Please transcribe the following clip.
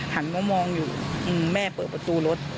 หันมามองอยู่แม่เปิดประตูรถ